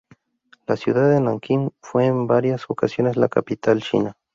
La ciudad de Nankín fue en varias ocasiones la capital china.